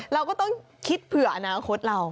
เราก็ต้องคิดเผื่ออนาคตเรา